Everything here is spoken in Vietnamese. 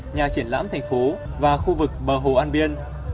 nhà triển lãm thành phố và khu vực bờ hồ an biên